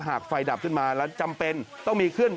หากไฟดับขึ้นมาแล้วจำเป็น